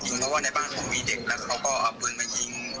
เพราะว่าในบ้านผมมีเด็กแล้วเขาก็เอาปืนมายิง